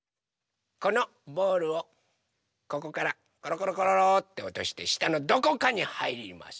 このボールをここからころころころっておとしてしたのどこかにはいります。